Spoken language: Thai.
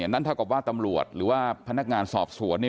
นั่นเท่ากับว่าตำรวจหรือว่าพนักงานสอบสวน